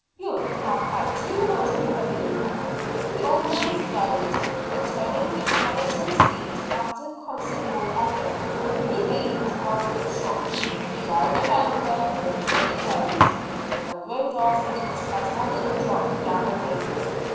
"You have had too much already." The old man frowned and turning the skeleton steed after considerable effort, he gave his parting shot "Crown and anchor wait till he comes!" and rode off in a spasmodic trot down the lane.